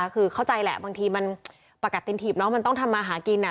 คือเข้าใจแหละบางทีมันปกตินถีบน้องมันต้องทำมาหากิน